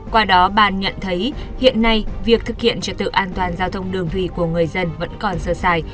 qua đó bàn nhận thấy hiện nay việc thực hiện trật tự an toàn giao thông đường thủy của người dân vẫn còn sơ sai